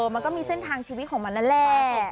มันก็มีเส้นทางชีวิตของมันนั่นแหละ